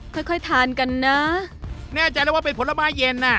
ค่อยค่อยทานกันนะแน่ใจแล้วว่าเป็นผลไม้เย็นอ่ะ